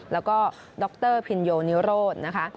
แล้วก็ดรพินโยนิโรด